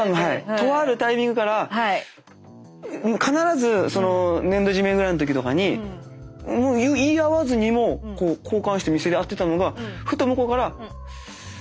とあるタイミングから必ず年度締めぐらいの時とかに言い合わずにも交換して見せ合ってたのがふと向こうから。